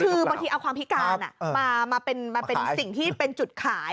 คือบางทีเอาความพิการมาเป็นสิ่งที่เป็นจุดขาย